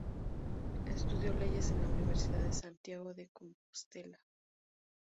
Estudió leyes en la Universidad de Santiago de Compostela.